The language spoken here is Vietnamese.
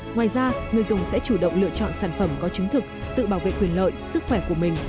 ngoài ra người dùng sẽ chủ động lựa chọn sản phẩm có chứng thực tự bảo vệ quyền lợi sức khỏe của mình